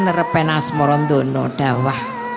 nerepenas merondono dawah